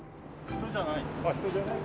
人じゃない。